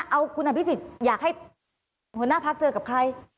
เอากุณธาปิศริจอยากให้หัวหน้าภักร์เจอกับใคร